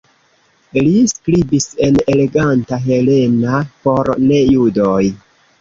Li skribis en eleganta helena por ne-judoj.